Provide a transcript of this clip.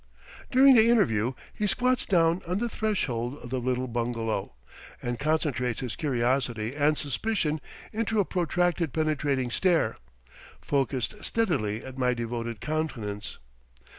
During the interview he squats down on the threshold of the little bungalow, and concentrates his curiosity and suspicion into a protracted penetrating stare, focused steadily at my devoted countenance.